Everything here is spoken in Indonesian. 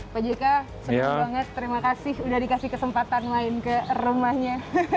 pak jk senang banget terima kasih udah dikasih kesempatan main ke rumahnya